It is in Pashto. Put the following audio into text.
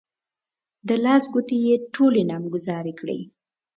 د لاس ګوتې يې ټولې نامګذاري کړې.